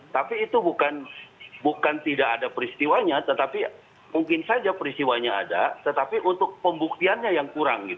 tapi itu bukan tidak ada peristiwanya tetapi mungkin saja peristiwanya ada tetapi untuk pembuktiannya yang kurang